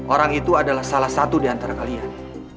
orang itu adalah salah satu diantara kalian